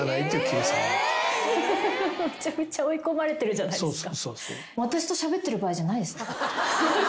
めちゃめちゃ追い込まれてるじゃないですか。